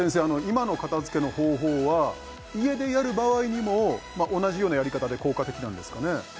今の片付けの方法は家でやる場合にも同じようなやり方で効果的なんですかね？